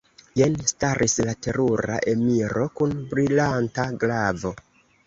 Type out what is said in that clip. Jen staris la terura emiro kun brilanta glavo.